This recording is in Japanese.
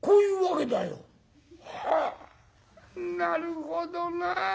「はあなるほどな。